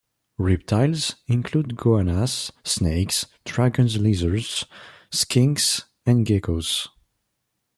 Reptiles include goannas, snakes, dragon lizards, skinks and geckos.